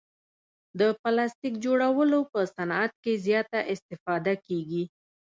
د پلاستیک جوړولو په صعنت کې زیاته استفاده کیږي.